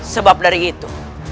sebab dari itu